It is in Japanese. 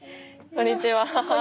こんにちは。